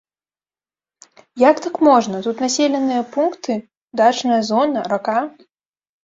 Як так можна, тут населеныя пункты, дачная зона, рака?